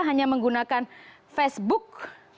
hanya menggunakan facebook